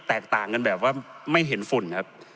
แตกต่างกันแบบว่าไม่เห็นฝุ่นครับ